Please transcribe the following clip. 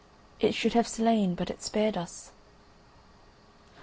It should have slain, but it spared us."